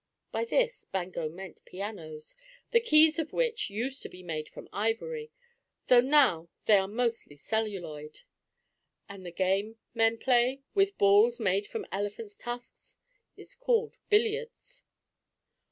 By this Bango meant pianos, the keys of which used to be made from ivory, though now they are mostly celluloid. And the game men play, with balls made from elephants' tusks, is called billiards.